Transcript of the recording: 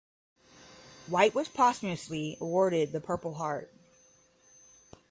White was posthumously awarded the Purple Heart.